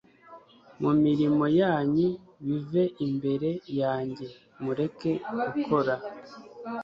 mu mirimo yanyu bive imbere yanjye, mureke gukora